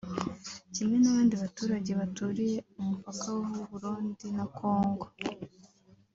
Kimwe n’abandi baturage baturiye umupaka w’u Burundi na Congo